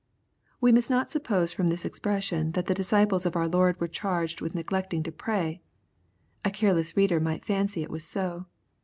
] We must not suppose from this ex pression, that the disciples of our Lord were charged with neglect ing to pray. A careless reader might fancy it was so.